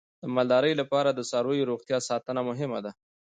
د مالدارۍ لپاره د څارویو روغتیا ساتنه مهمه ده.